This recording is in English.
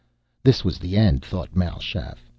This was the end, thought Mal Shaff.